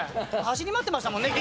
走り回ってましたもんね。